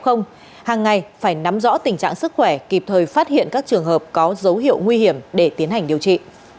hàng ngày phải nắm rõ tình trạng sức khỏe kịp thời phát hiện các trường hợp có dấu hiệu nguy hiểm để tiến hành điều trị